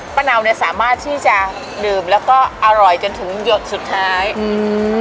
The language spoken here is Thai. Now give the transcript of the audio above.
เนาเนี้ยสามารถที่จะดื่มแล้วก็อร่อยจนถึงหยดสุดท้ายอืม